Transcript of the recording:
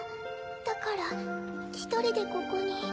だからひとりでここに。